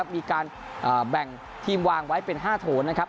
มีการแบ่งทีมวางไว้เป็น๕โถนนะครับ